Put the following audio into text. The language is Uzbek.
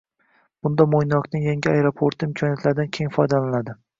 Bunda Mo‘ynoqning yangi aeroporti imkoniyatlaridan keng foydalaniladi.